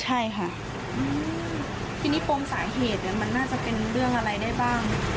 ใช่ค่ะทีนี้ปมสาเหตุมันน่าจะเป็นเรื่องอะไรได้บ้าง